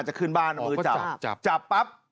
จะขึ้นบ้านมือเจาะ